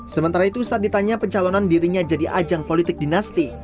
sementara itu saat ditanya pencalonan dirinya jadi ajang politik dinasti